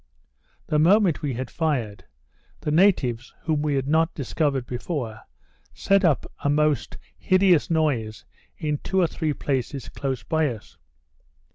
The moment we had fired, the natives, whom we had not discovered before, set up a most hideous noise in two or three places close by us.